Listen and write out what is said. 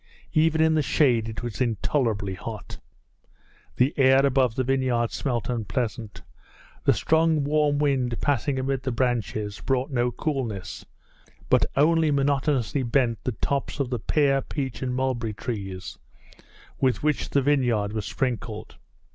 Even in the shade it was intolerably hot. The air above the vineyard smelt unpleasant: the strong warm wind passing amid the branches brought no coolness, but only monotonously bent the tops of the pear, peach, and mulberry trees with which the vineyard was sprinkled.